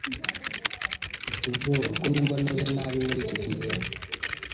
Mfite ubwoba ko numva meze nabi muri iki gihe.